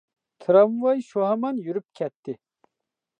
تىرامۋاي شۇ ھامان يۈرۈپ كەتتى.